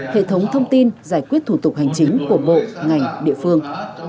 hệ thống thông tin giải quyết thủ tục hành chính của bộ ngành địa phương